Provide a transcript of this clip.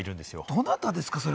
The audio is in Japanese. どなたですか？